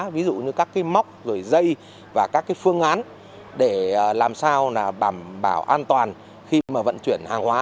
ví dụ như các móc dây và các phương án để làm sao bảo an toàn khi vận chuyển hàng hóa